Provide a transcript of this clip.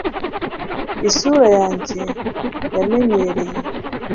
Isura yanjye yamenyereye